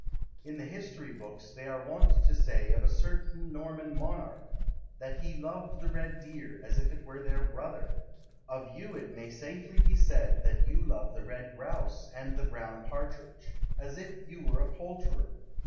In the history books They were wont to say Of a certain Norman monarch, That he loved the red deer As if he were their brother. Of you it may safely be said That you love the red grouse And the brown partridge. As if you were a poulterer.